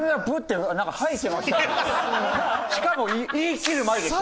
しかも言いきる前です。